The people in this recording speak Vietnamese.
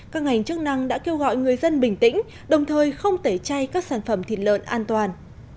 các ngành chức năng đã kêu gọi người dân bình tĩnh đồng thời không tẩy chay các sản phẩm thịt lợn an toàn